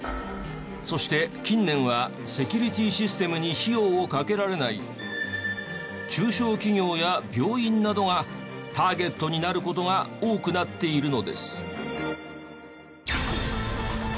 そして近年はセキュリティーシステムに費用をかけられない中小企業や病院などがターゲットになる事が多くなっているのです。